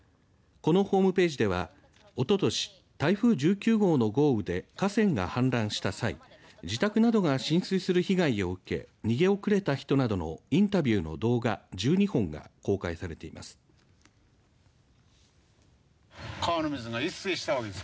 このホームページではおととし、台風１９号の豪雨で河川が氾濫した際自宅などが浸水する被害を受け逃げ遅れた人などのインタビューの動画１２本が公開されています。